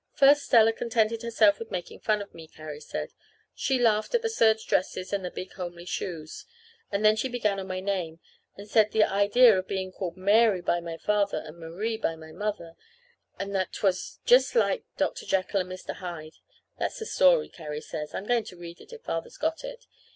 First Stella contented herself with making fun of me, Carrie said. She laughed at the serge dresses and big homely shoes, and then she began on my name, and said the idea of being called Mary by Father and Marie by Mother, and that 't was just like Dr. Jekyll and Mr. Hyde. (That's a story, Carrie says. I'm going to read it, if Father's got it.